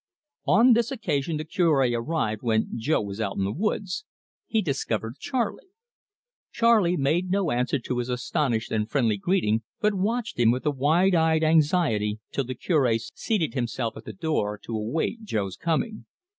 On this occasion the Cure arrived when Jo was out in the woods. He discovered Charley. Charley made no answer to his astonished and friendly greeting, but watched him with a wide eyed anxiety till the Cure seated himself at the door to await Jo's coming.